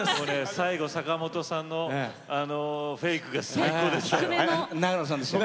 最後、坂本さんのフェイクが最高でした。